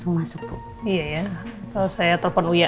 nggak apa apa sih